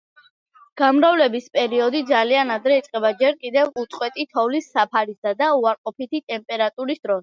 გამრავლების პერიოდი ძალიან ადრე იწყება, ჯერ კიდევ უწყვეტი თოვლის საფარისა და უარყოფითი ტემპერატურის დროს.